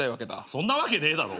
そんなわけねえだろ。